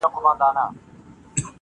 کوم ظالم چي مي افغان په کاڼو ولي-